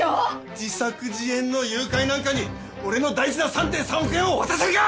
自作自演の誘拐なんかに俺の大事な３．３億円を渡せるか！